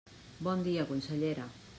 Bon dia, consellera.